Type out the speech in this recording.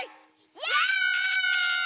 イエイ！